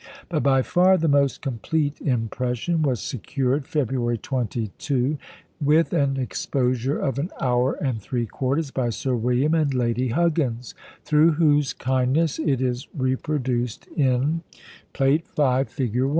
But by far the most complete impression was secured, February 22, with an exposure of an hour and three quarters, by Sir William and Lady Huggins, through whose kindness it is reproduced in Plate V., Fig.